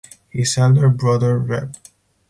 His elder Brother Rev.